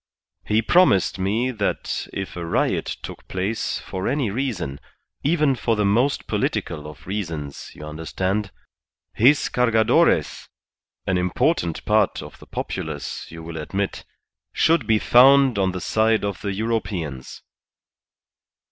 He promised me that if a riot took place for any reason even for the most political of reasons, you understand his Cargadores, an important part of the populace, you will admit, should be found on the side of the Europeans."